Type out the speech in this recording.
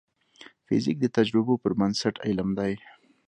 فزیک د تجربو پر بنسټ علم دی.